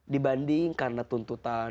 dibanding karena tuntutan